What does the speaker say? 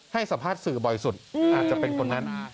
ให้สัมภาษณ์สื่อบ่อยสุดอาจจะเป็นคนนั้น